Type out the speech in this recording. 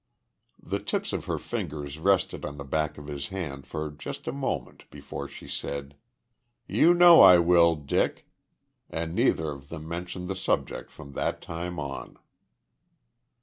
The tips of her fingers rested on the back of his hand for just a moment before she said, "You know I will, Dick" and neither of them mentioned the subject from that time on.